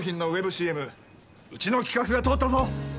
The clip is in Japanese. ＣＭうちの企画が通ったぞ。